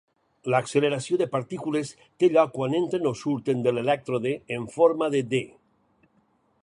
L'acceleració de partícules té lloc quan entren o surten de l'elèctrode en forma de D.